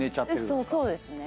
そうですね。